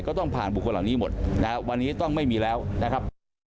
ก็ต้องผ่านบุคคลเหล่านี้หมดนะครับวันนี้ต้องไม่มีแล้วนะครับ